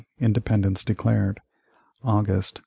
Independence declared August.